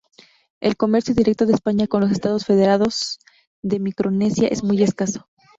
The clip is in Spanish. El comercio directo de España con los Estados Federados de Micronesia es muy escaso.